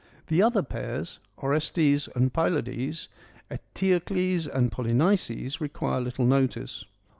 The other pairs, Orestes and Pylades, Eteocles and Polynices, require little notice.